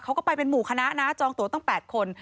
เขาก็ไปเป็นหมู่คณะนะจองตัวตั้ง๘คน